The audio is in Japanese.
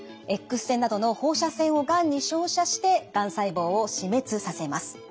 Ｘ線などの放射線をがんに照射してがん細胞を死滅させます。